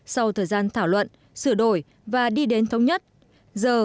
sau thời gian thảo luận sửa đổi và đi đến thống nhất giờ chính là lúc cp tpp chính thức ra đời